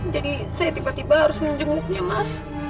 jadi saya tiba tiba harus menjemputnya mas